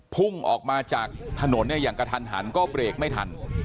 พุ่งออกมาจากถนนเนี่ยอย่างกระทันหันก็เบรกไม่ทัน